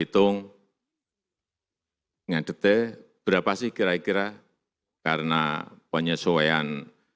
hitung dengan detail berapa sih kira kira karena penyesuaian